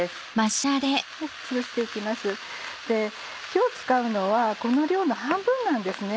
今日使うのはこの量の半分なんですね。